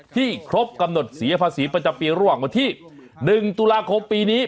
ครบกำหนดเสียภาษีประจำปีระหว่างวันที่๑ตุลาคมปีนี้